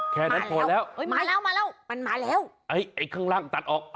ถึงมาแล้วไอข้างล่างตัดออก